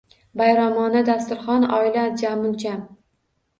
Bayramona dasturxon, oila jamuljam.